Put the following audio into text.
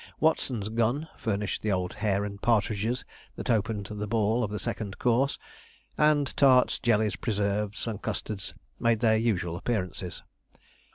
Watson's gun furnished the old hare and partridges that opened the ball of the second course; and tarts, jellies, preserves, and custards made their usual appearances.